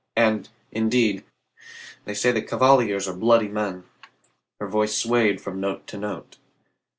And, indeed, they say the Cavaliers are bloody men." Her voice swayed from note to note.